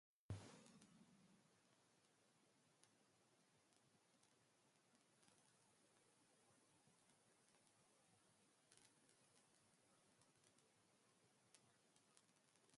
He has written five books of short stories.